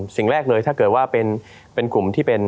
สิ่งแรกเลยถ้าเกิดว่าเป็นกลุ่มที่เป็น